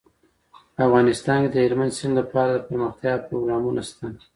په افغانستان کې د هلمند سیند لپاره د پرمختیا پروګرامونه شته.